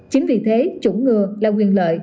chính vì thế chủ ngừa là nguyên lợi